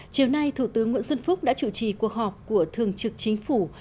chiều nay thủ tướng nguyễn xuân phúc đã chủ trì cuộc họp của thường trực chính phủ